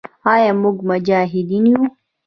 آیا موږ مجاهدین یو؟